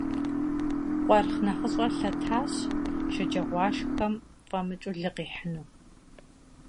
Къуаргъ нэхъыщӀэр лъэтащ, шэджагъуашхэм фӀэмыкӀыу лы къихьыну.